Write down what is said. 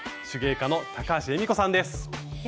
手芸家の高橋恵美子さんです。